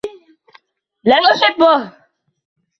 لا أحبه